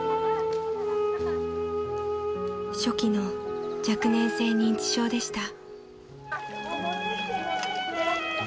［初期の若年性認知症でした］